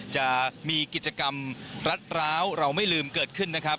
จะมีกิจกรรมรัดร้าวเราไม่ลืมเกิดขึ้นนะครับ